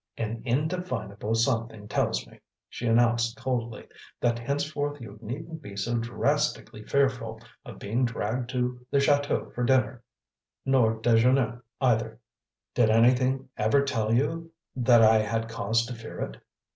"An indefinable something tells me," she announced coldly, "that henceforth you needn't be so DRASTICALLY fearful of being dragged to the chateau for dinner, nor dejeuner either!" "Did anything ever tell you that I had cause to fear it?"